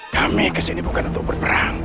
kami ke sini bukan untuk berperang